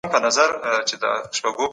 ایا ستا په فکر کي د تېرو نعمتونو یاد سته؟